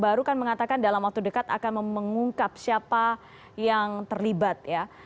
baru kan mengatakan dalam waktu dekat akan mengungkap siapa yang terlibat ya